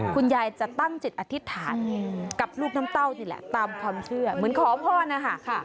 คุณยายจะตั้งจิตอธิษฐานกับลูกน้ำเต้านี่แหละตามความเชื่อเหมือนขอพรนะคะ